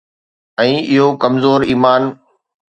۽ اهو ڪمزور ايمان.